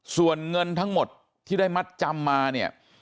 ส่วนเงินทั้งหมดที่ได้มัดจำมาเนี่ย